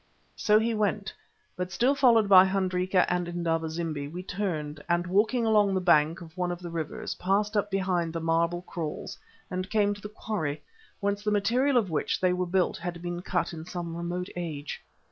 So he went; but still followed by Hendrika and Indaba zimbi, we turned, and, walking along the bank of one of the rivers, passed up behind the marble kraals, and came to the quarry, whence the material of which they were built had been cut in some remote age.